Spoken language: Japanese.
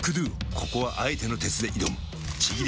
ここはあえての鉄で挑むちぎり